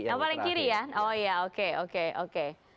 yang paling kiri ya oh iya oke oke